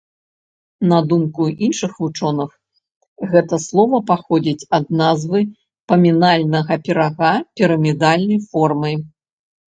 На думку іншых вучоных, гэта слова паходзіць ад назвы памінальнага пірага пірамідальнай формы.